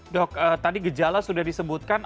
dok tadi gejala sudah disebutkan